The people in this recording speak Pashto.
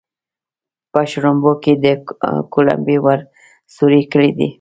په شړومبو دې کولمې ور سورۍ کړې دي.